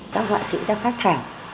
các họa sĩ đã phát thảm